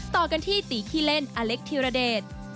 ต่อกันที่ตีขี้เล่นอเล็กธิรเดช